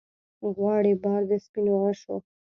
غواړي بار د سپینو غشو